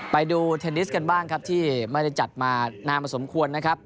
ไปดูเทนนิสกันบ้างครับที่ไม่ได้จัดมานานมาสมควรนะครับ